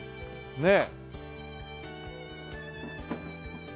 ねえ。